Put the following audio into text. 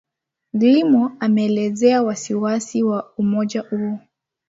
Gilmore ameelezea wasiwasi wa umoja huo.